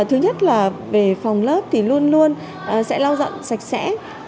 thứ nhất là về phòng lớp thì luôn luôn sẽ lau dặn sạch sẽ